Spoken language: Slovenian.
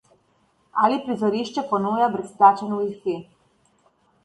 Ali prizorišče ponuja brezplačen Wi-Fi?